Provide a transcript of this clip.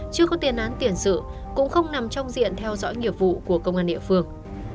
chưa có tiền án tiền sự cũng không nằm trong diện theo dõi nghiệp vụ của công an địa phương